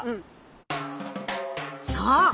そう！